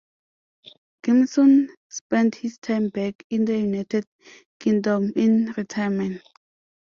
Gimson spent his time back in the United Kingdom in retirement.